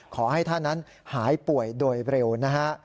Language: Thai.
ขอให้ท่านนั้นหายป่วยโดยเร็วนะฮะ